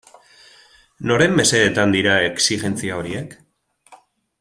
Noren mesedetan dira exijentzia horiek?